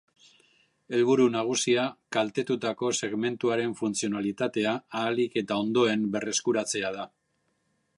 Helburu nagusia kaltetutako segmentuaren funtzionalitatea ahalik eta hoberen berreskuratzea da.